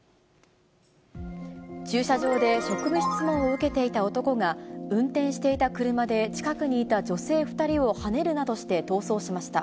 駐車場で職務質問を受けていた男が、運転していた車で近くにいた女性２人をはねるなどして逃走しました。